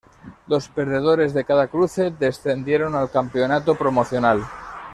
Los perdedores de cada cruce descendieron al "Campeonato Promocional".